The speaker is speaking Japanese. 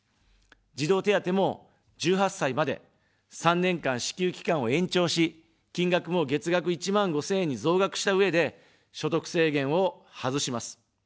児童手当も１８歳まで、３年間支給期間を延長し、金額も月額１万５０００円に増額したうえで所得制限を外します。